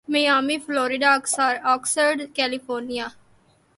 Miami Florida Oxnard California